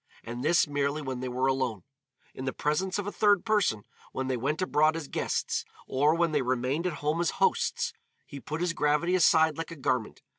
And this merely when they were alone. In the presence of a third person, when they went abroad as guests, or when they remained at home as hosts, he put his gravity aside like a garment.